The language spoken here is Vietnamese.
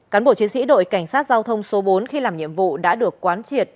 cán bộ chiến sĩ đội cảnh sát giao thông số bốn khi làm nhiệm vụ đã được quán triệt